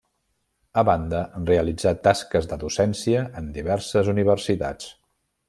A banda, realitzà tasques de docència en diverses universitats.